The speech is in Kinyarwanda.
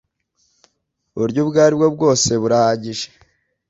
uburyo ubwo ari bwo bwose burahagije .